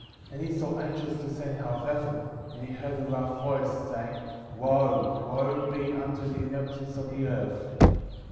25. And he saw angels^' descending out of heaven ; and he heard a loud voice* saying: Wo, wo be unto the inhabitants of the earth.